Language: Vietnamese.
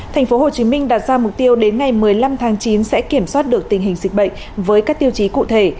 thành phố hồ chí minh đạt ra mục tiêu đến ngày một mươi năm tháng chín sẽ kiểm soát được tình hình dịch bệnh với các tiêu chí cụ thể